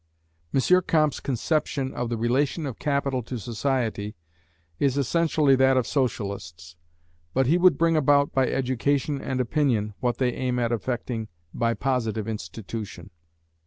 M. Comte's conception of the relation of capital to society is essentially that of Socialists, but he would bring about by education and opinion, what they aim at effecting by positive institution.